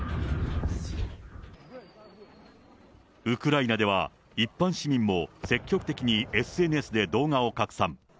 ウクライナでは、一般市民も積極的にＳＮＳで動画を拡散。